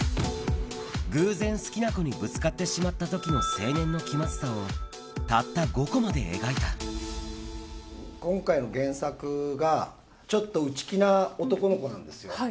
偶然、好きな子にぶつかってしまったときの青年の気まずさをたった５コ今回の原作が、ちょっと内気な男の子なんですよ。